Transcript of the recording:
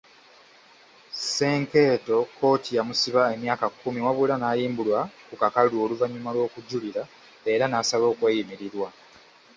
Senkeeto kkooti yamusiba emyaka kumi wabula n'ayimbulwa ku kakalu oluvannyuma lw'okujulira era n'asaba okweyimirirwa.